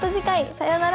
さようなら。